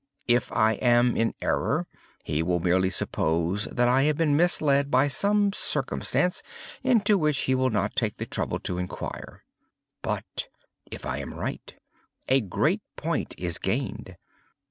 If I am in error, he will merely suppose that I have been misled by some circumstance into which he will not take the trouble to inquire. But if I am right, a great point is gained.